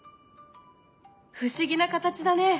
不思議な形だね。